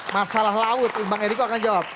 masalah laut itu bang ericko akan jawab